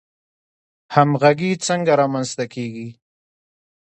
همغږي څنګه رامنځته کیږي؟